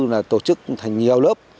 là tổ chức thành nhiều lớp